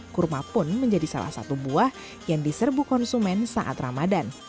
kurma pun menjadi salah satu buah yang diserbu konsumen saat ramadan